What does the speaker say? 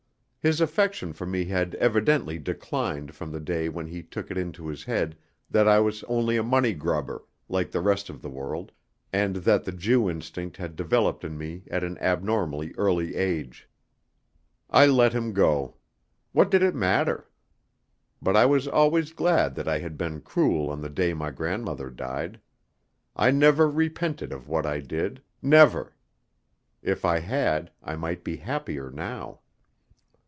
His affection for me had evidently declined from the day when he took it into his head that I was only a money grubber, like the rest of the world, and that the Jew instinct had developed in me at an abnormally early age. I let him go. What did it matter? But I was always glad that I had been cruel on the day my grandmother died. I never repented of what I did never. If I had, I might be happier now.